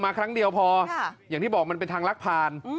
ครั้งเดียวพออย่างที่บอกมันเป็นทางลักผ่าน